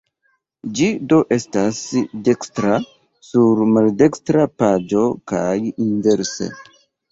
Ĝi do estas dekstra sur maldekstra paĝo kaj inverse.